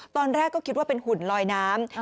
ตอนแรกก็คิดว่าเป็นหุ่นลอยน้ำ